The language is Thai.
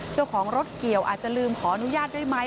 เจ้าของรถเกี่ยวอาจจะลืมขออนุญาตด้วยไหม